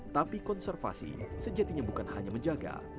tapi konservasi sejatinya bukan hanya menjaga